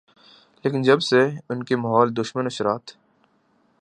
لیکن جب سے ان کے ماحول دشمن اثرات